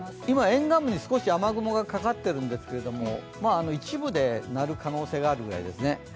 今、沿岸部に少し雨雲がかかってるんですけど一部で鳴る可能性があるくらいですね。